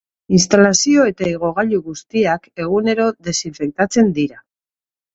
Instalazio eta igogailu guztiak egunero desinfektatzen dira.